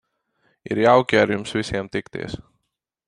Ir jauki ar jums visiem tikties.